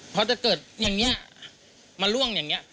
พอจะเกิดอย่างนี้มาล่วงอย่างนี้